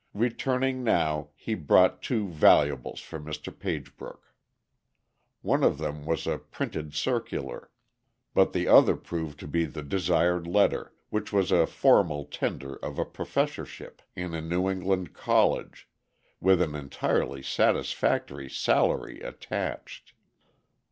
Returning now he brought two "vallables" for Mr. Pagebrook. One of them was a printed circular, but the other proved to be the desired letter, which was a formal tender of a professorship in a New England college, with an entirely satisfactory salary attached.